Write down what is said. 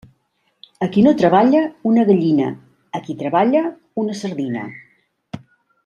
A qui no treballa, una gallina; a qui treballa, una sardina.